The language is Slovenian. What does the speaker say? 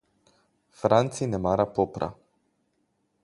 Franci ne mara popra.